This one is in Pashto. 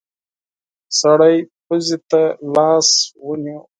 سړی پزې ته لاس ونيو.